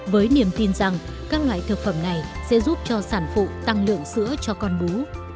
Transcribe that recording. với niềm tin rằng các loại thực phẩm này sẽ giúp cho sản phụ tăng lượng sữa cho con bú